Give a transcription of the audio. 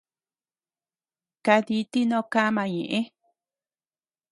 Kaniti noo kama ñeʼe.